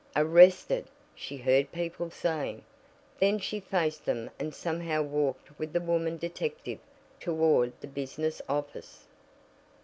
"Arrested!" she heard people saying. Then she faced them and somehow walked with the woman detective toward the business office.